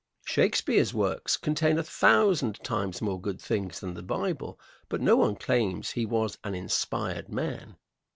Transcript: Shakespeare's works contain a thousand times more good things than the Bible, but no one claims he was an inspired man.